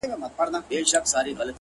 • ماته د مار خبري ډيري ښې دي ـ